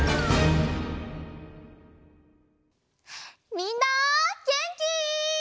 みんなげんき？